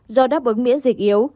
do đáp ứng miễn dịch yếu